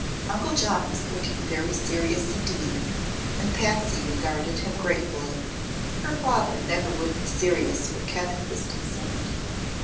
Uncle John was looking very serious indeed, and Patsy regarded him gratefully. Her father never would be serious where Kenneth was concerned.